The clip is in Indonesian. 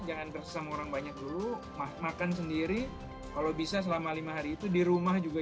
jangan bersama orang banyak dulu makan sendiri kalau bisa selama lima hari itu di rumah juga